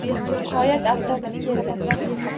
Nihoyat, avtobus keldi